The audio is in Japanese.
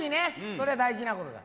そりゃ大事なことだ。